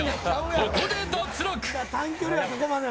ここで脱落。